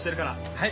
はい。